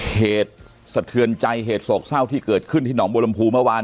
เหตุสะเทือนใจเหตุโศกเศร้าที่เกิดขึ้นที่หนองบัวลำพูเมื่อวาน